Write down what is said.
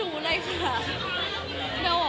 อู้วไม่รู้เลยค่ะ